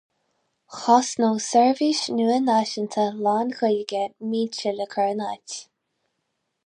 Chosnódh seirbhís nua náisiúnta lán-Ghaeilge mílte le cur in áit.